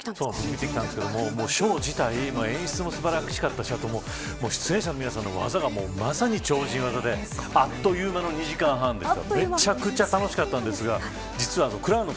見てきたんですけどショー自体演出も素晴らしかったし出演者の皆さんの技がまさに超人技であっという間の２時間半でした。